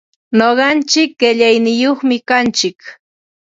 Nuqaichik qillaniyuqmi kaa.